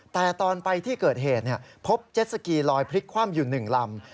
แต่ตอนไปที่เกิดเหตุพบเจ็ดสกีลอยพลิกคว่ำอยู่๑ลำ